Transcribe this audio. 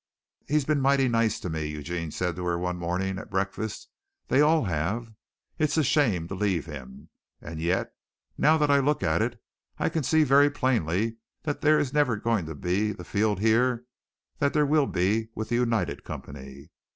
"He's been mighty nice to me," Eugene said to her one morning at breakfast; "they all have. It's a shame to leave him. And yet, now that I look at it, I can see very plainly that there is never going to be the field here that there will be with the United Company.